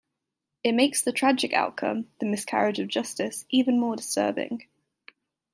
It makes the tragic outcome - the miscarriage of justice - even more disturbing.